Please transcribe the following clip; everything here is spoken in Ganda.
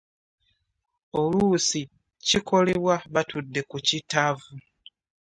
Oluusi kikolebwa batudde ku kittavvu.